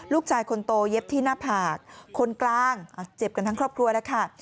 ลูกชายคนโตเย็บที่หน้าผากคนกลางเจ็บกันทั้งครอบครัวแล้วค่ะ